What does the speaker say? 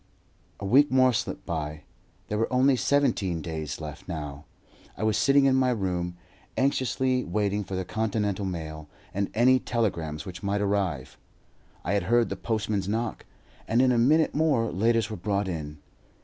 A week more slipped by. There were only seventeen days left now. I was sitting in my room, anxiously waiting for the Continental mail, and any telegrams which might arrive. I heard the postman's knock, and in a minute more letters were brought in.